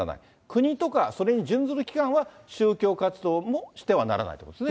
国とかそれに準ずる機関は宗教活動もしてはならないということで